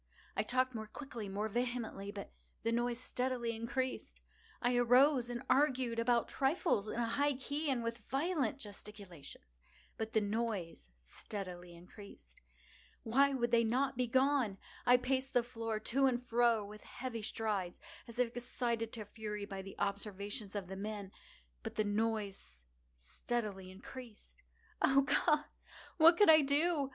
I talked more quickly—more vehemently; but the noise steadily increased. I arose and argued about trifles, in a high key and with violent gesticulations; but the noise steadily increased. Why would they not be gone? I paced the floor to and fro with heavy strides, as if excited to fury by the observations of the men—but the noise steadily increased. Oh God! what could I do?